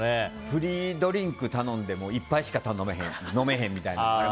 フリードリンク頼んでも１杯しか飲めへんみたいな。